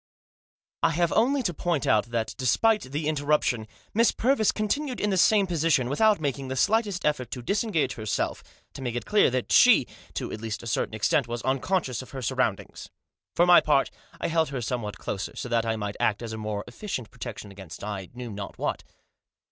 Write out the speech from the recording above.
I HAVE only to point out that, despite the interrup tion, Miss Purvis continued in the same position, without making the slightest effort to disengage her self, to make it clear that she, to at least a certain extent, was unconscious of her surroundings. For my part I held her somewhat closer, so that I might act as a more efficient protection against I knew not what.